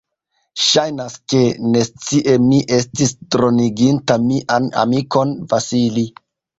Ŝajnas, ke, nescie, mi estis droniginta mian amikon Vasili.